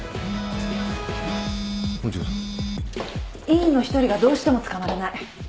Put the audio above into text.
委員の１人がどうしてもつかまらない。